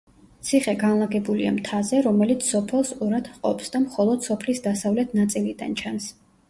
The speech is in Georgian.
ციხე განლაგებულია მთაზე, რომელიც სოფელს ორად ჰყოფს და მხოლოდ სოფლის დასავლეთ ნაწილიდან ჩანს.